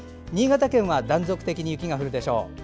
新潟県は断続的に雪が降るでしょう。